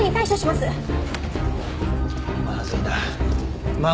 まずいな。